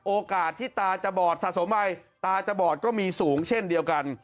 โอกาสที่ตาจะบอดสะสมไปตาจะบอดก็มีสูงเช่นเดียวกัน